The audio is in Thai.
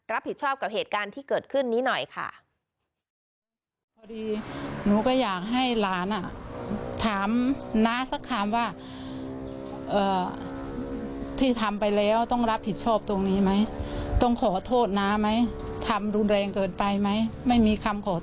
รับผิดชอบกับเหตุการณ์ที่เกิดขึ้นนี้หน่อยค่ะ